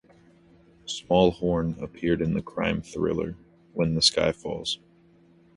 Smallhorne appeared in the crime thriller "When the Sky Falls".